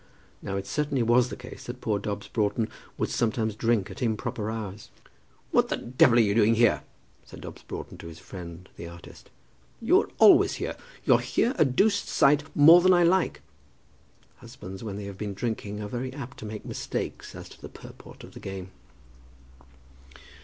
Now it certainly was the case that poor Dobbs Broughton would sometimes drink at improper hours. "What the devil are you doing here?" said Dobbs Broughton to his friend the artist. "You're always here. You're here a doosed sight more than I like." Husbands when they have been drinking are very apt to make mistakes as to the purport of the game.